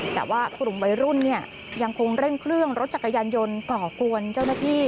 แต่ว่ากลุ่มวัยรุ่นเนี่ยยังคงเร่งเครื่องรถจักรยานยนต์ก่อกวนเจ้าหน้าที่